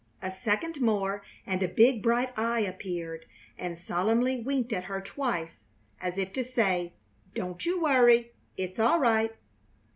A second more and a big, bright eye appeared and solemnly winked at her twice, as if to say, "Don't you worry; it's all right!"